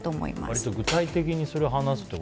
割と具体的にそれを話すと。